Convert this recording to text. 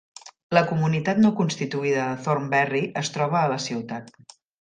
La comunitat no constituïda de Thornberry es troba a la ciutat.